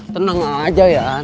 tenang aja ya